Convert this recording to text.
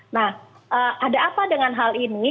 nah ada apa dengan hal ini